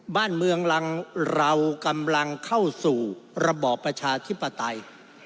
บ้านเมืองเรากำลังเข้าสู่ระบอบประชาธิปไตย